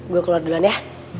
gue keluar duluan ya